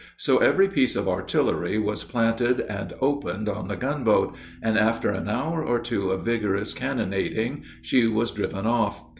So every piece of artillery was planted and opened on the gunboat, and after an hour or two of vigorous cannonading she was driven off.